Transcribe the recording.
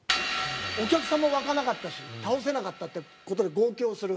お客さんも沸かなかったし倒せなかったって事で号泣をする。